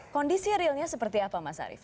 kondisi realnya seperti apa mas arief